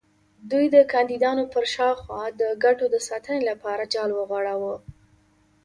دوی د کاندیدانو پر شاوخوا د ګټو د ساتنې لپاره جال وغوړاوه.